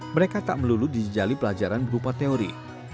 mereka tak melulu dijali pelajaran berupa teori